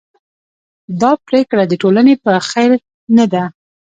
دا پرېکړه د ټولنې په خیر نه ده.